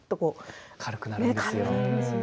軽くなるんですよ。